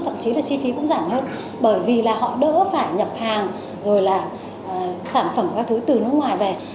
thậm chí là chi phí cũng giảm hơn bởi vì là họ đỡ phải nhập hàng rồi là sản phẩm các thứ từ nước ngoài về